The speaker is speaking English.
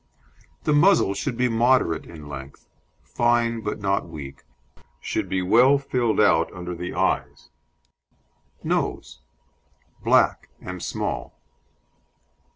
The muzzle should be moderate in length, fine but not weak, should be well filled out under the eyes. NOSE Black and small.